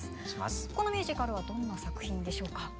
このミュージカルはどんな作品でしょうか？